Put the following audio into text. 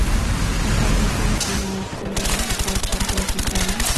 El campeón se decide en el College Football Championship Game.